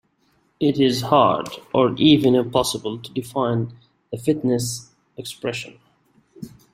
It is hard or even impossible to define the fitness expression.